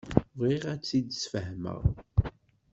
Bɣiɣ ad t-id-sfehmeɣ.